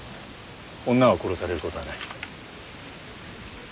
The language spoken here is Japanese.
女は殺されることはない。